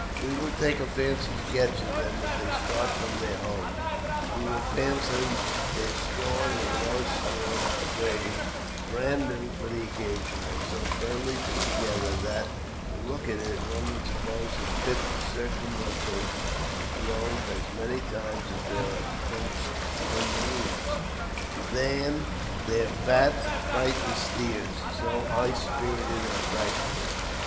We will take a fancy sketch of them as they start from their homes. We will fancy their strong and well stored waggon, bran new for the occasion, and so firmly put together that, to look at it, one would suppose it fit to circumrotate the globe as many times as there are spokes in the wheels ; then their fat and frightened steers, so high spirited and fractious that it.